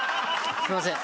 すいません。